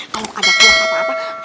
kalau ada uang apa apa